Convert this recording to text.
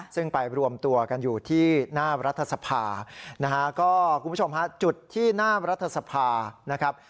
ซึ่งไปรวมตัวกันอยู่ที่หน้ารัฐสภานะฮะก็คุณผู้ชมฮะจุดที่หน้ารัฐสภานะครับ